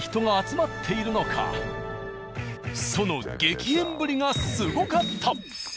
その激変ぶりがすごかった。